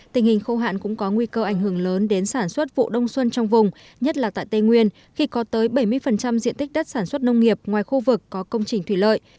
tình hình khâu hạn cũng có nguy cơ ảnh hưởng lớn đến sản xuất vụ đông xuân trong vùng nhất là tại tây nguyên khi có tới bảy mươi diện tích đất sản xuất nông nghiệp ngoài khu vực có công trình thủy lợi